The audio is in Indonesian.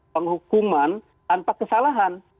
penghukuman tanpa kesalahan